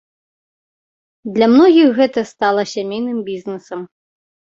Для многіх гэта стала сямейным бізнэсам.